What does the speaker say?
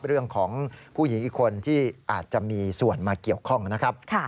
เรื่องของผู้หญิงอีกคนที่อาจจะมีส่วนมาเกี่ยวข้องนะครับ